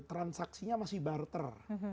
transaksinya masih barter